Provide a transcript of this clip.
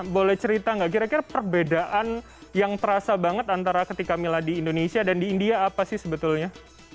boleh cerita nggak kira kira perbedaan yang terasa banget antara ketika mila di indonesia dan di india apa sih sebetulnya